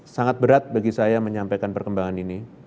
sangat berat bagi saya menyampaikan perkembangan ini